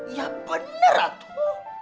ya benar ratul